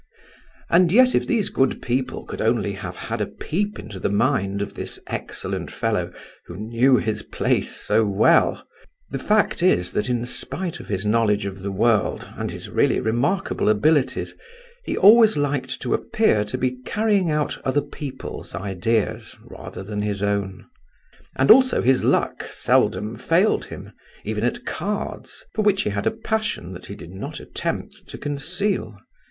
And yet if these good people could only have had a peep into the mind of this excellent fellow who "knew his place" so well! The fact is that, in spite of his knowledge of the world and his really remarkable abilities, he always liked to appear to be carrying out other people's ideas rather than his own. And also, his luck seldom failed him, even at cards, for which he had a passion that he did not attempt to conceal.